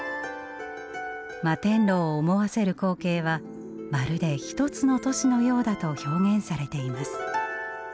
摩天楼を思わせる光景はまるで一つの都市のようだと表現されています。